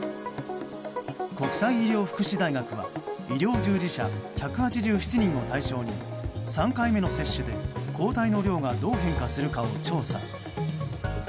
国際医療福祉大学は医療従事者１８７人を対象に３回目の接種で抗体の量がどう変化するかを調査。